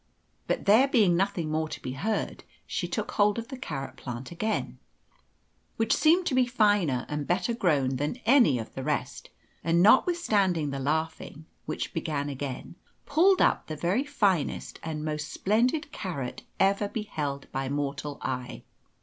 But there being nothing more to be heard she took hold of the carrot plant again which seemed to be finer and better grown than any of the rest and, notwithstanding the laughing, which began again, pulled up the very finest and most splendid carrot ever beheld by mortal eye.